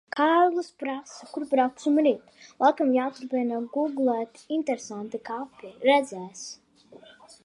Kārlis prasa, kur brauksim rīt. Laikam jāturpina gūglēt "interesanti kapi". Redzēs.